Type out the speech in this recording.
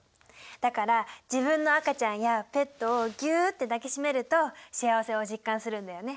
だから自分の赤ちゃんやペットをギュって抱き締めると幸せを実感するんだよね。